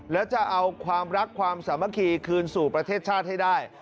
แล้วจะเอาความรักความสามัคคีคืนสู่ประเทศชาติให้ได้